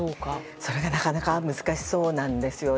それがなかなか難しそうなんですよね。